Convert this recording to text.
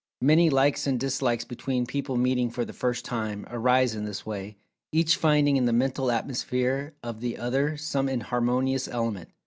Many likes and dislikes between people meeting for the first time, arise in this way, each finding in the mental atmosphere of the other, some inharmonious element.